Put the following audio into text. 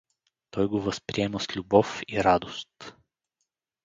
Той го възприема с любов и радост.